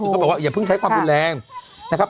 เขาบอกว่าอย่าเพิ่งใช้ความรุนแรงนะครับ